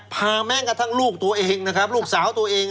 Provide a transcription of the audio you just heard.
พาแม่งกับทันลูกตัวเองลูกสาวตัวเอง